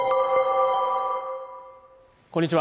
こんにちは